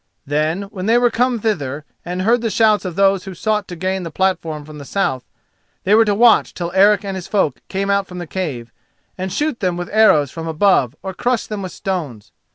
Then, when they were come thither, and heard the shouts of those who sought to gain the platform from the south, they were to watch till Eric and his folk came out from the cave, and shoot them with arrows from above or crush them with stones.